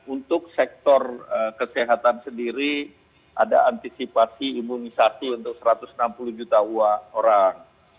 untuk sektor kesehatan sendiri ada antisipasi imunisasi untuk satu ratus enam puluh juta orang